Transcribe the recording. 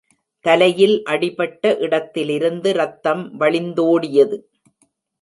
தலையில் அடிபட்ட இடத்திலிருந்து ரத்தம் வழிந்தோடியது.